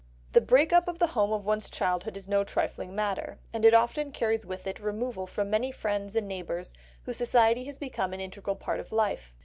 The break up of the home of one's childhood is no trifling matter, and it often carries with it removal from many friends and neighbours whose society has become an integral part of life.